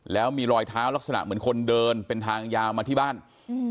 แล้วมีรอยเท้าลักษณะเหมือนคนเดินเป็นทางยาวมาที่บ้านอืม